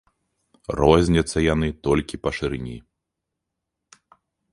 Розняцца яны толькі па шырыні.